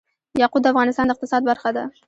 یاقوت د افغانستان د اقتصاد برخه ده.